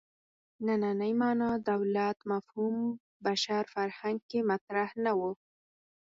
نننۍ معنا دولت مفهوم بشر فرهنګ کې مطرح نه و.